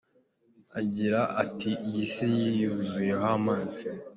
Agira ati ”Iyi si yuzuyeho amazi.